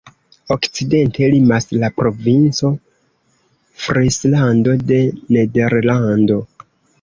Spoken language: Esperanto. Okcidente limas la Provinco Frislando de Nederlando.